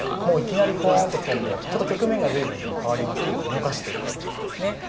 もういきなりポーンと跳んで局面が随分ね変わりますけども動かしていこうという手ですね。